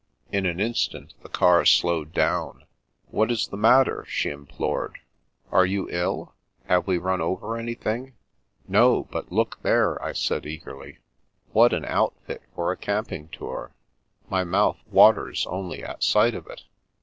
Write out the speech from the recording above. In an instant the car slowed down. " What is the matter ?" she implored. " Are you ill ? Have we run over anything? "" No, but look there," I said eagerly. " What an outfit for a camping tour ! My mouth waters only at sight of it."